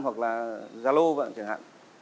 hoặc là galo chẳng hạn